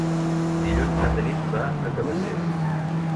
Dilluns na Tanit va a Cabacés.